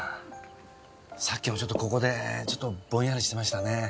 さっきもちょっとここでちょっとぼんやりしてましたね。